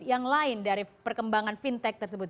yang lain dari perkembangan fintech tersebut